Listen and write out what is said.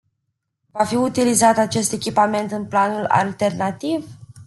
Va fi utilizat acest echipament în planul alternativ?